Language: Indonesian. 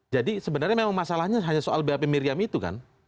jadi sebenarnya memang masalahnya hanya soal bap miriam itu kan